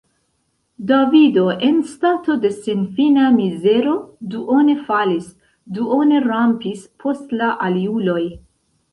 Davido en stato de senfina mizero duone falis, duone rampis post la aliuloj.